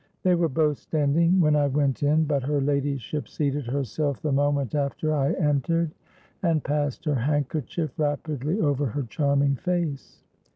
They were both standing when I went in; but her ladyship seated herself the moment after I entered and passed her handkerchief rapidly over her charming face.